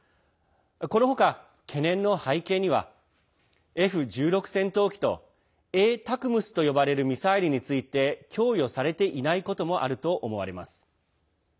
この他、懸念の背景にはＦ１６戦闘機と「ＡＴＡＣＭＳ」と呼ばれるミサイルについて供与されていないこともあると思われます。